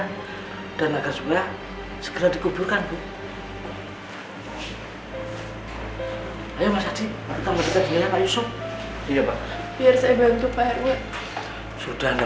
sudah nggak usah risah biar saya sama mas hadi yang mandikan ya